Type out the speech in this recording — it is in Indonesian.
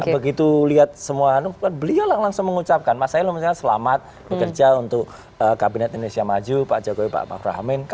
begitu lihat semua beliau langsung mengucapkan masailo misalnya selamat bekerja untuk kabinet indonesia maju pak jokowi pak mafrahamin